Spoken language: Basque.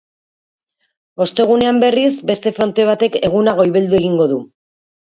Ostegunean, berriz, beste fronte batek eguna goibeldu egingo du.